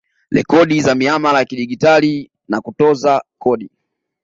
Rekodi za miamala ya kidigitali na kutoza kodi